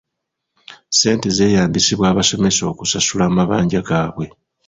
Ssente zeeyambisibwa abasomesa okusasula amabanja gaabwe.